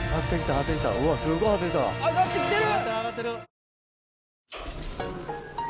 上がってきてる！